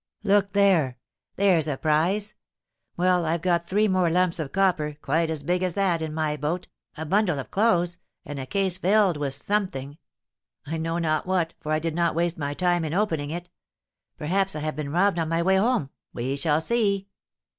"Look there! There's a prize. Well, I've got three more lumps of copper, quite as big as that, in my boat, a bundle of clothes, and a case filled with something, I know not what, for I did not waste my time in opening it. Perhaps I have been robbed on my way home; we shall see."